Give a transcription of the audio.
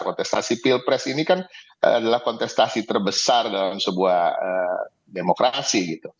kontestasi pilpres ini kan adalah kontestasi terbesar dalam sebuah demokrasi gitu